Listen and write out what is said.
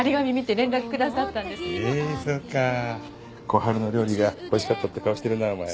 小春の料理が恋しかったって顔してるなお前。